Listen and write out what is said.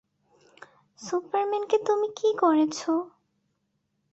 সুপারম্যানকে তুমি কী করেছ?